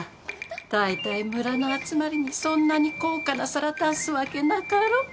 だいたい村の集まりにそんなに高価な皿出すわけなかろ。